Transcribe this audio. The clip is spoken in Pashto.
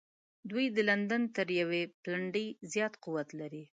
دوی د لندن تر یوه پلنډي زیات قوت لري.